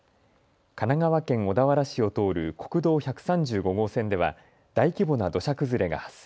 神奈川県小田原市を通る国道１３５号線では大規模な土砂崩れが発生。